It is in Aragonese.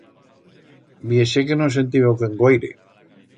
Biesé que no s'entivoquen guaire.